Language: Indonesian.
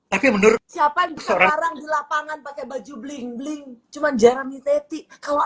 tapi menurut siapa yang sekarang di lapangan pakai baju bling bling cuman jeremy teti kalau